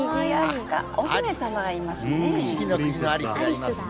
お姫様がいますね。